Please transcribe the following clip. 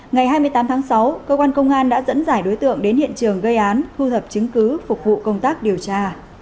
ngày hai mươi tám tháng sáu cơ quan công an đã dẫn giải đối tượng đến hiện trường gây án thu thập chứng cứ phục vụ công tác điều tra